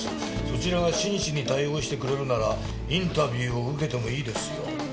そちらが真摯に対応してくれるならインタビューを受けてもいいですよ」